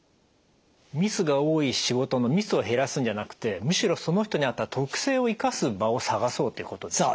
ミスが多い仕事のミスを減らすんじゃなくてむしろその人に合った特性を生かす場を探そうということですか？